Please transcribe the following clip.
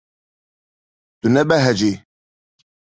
Tu nebehecî.